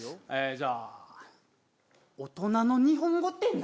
じゃあ大人の日本語って何？